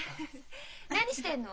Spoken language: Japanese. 何してんの？